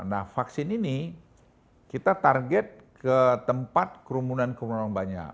nah vaksin ini kita target ke tempat kerumunan kerumunan banyak